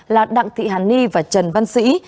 là đặng thị hản ni và trần văn sĩ